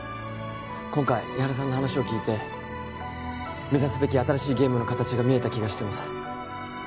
今回伊原さんの話を聞いて目指すべき新しいゲームの形が見えた気がしてます